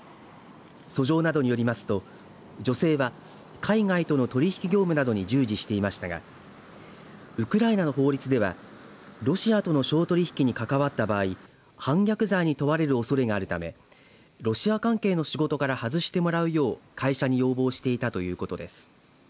訴状などによりますと女性は海外との取り引き業務などに従事していましたがウクライナの法律ではロシアとの商取引に関わった場合反逆罪に問われるおそれがあるためロシア関係の仕事から外してもらうよう会社に要望していたということです。